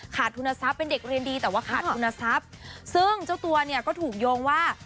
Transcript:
ทุนทรัพย์เป็นเด็กเรียนดีแต่ว่าขาดทุนทรัพย์ซึ่งเจ้าตัวเนี่ยก็ถูกโยงว่า